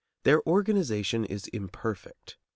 Their organization is imperfect.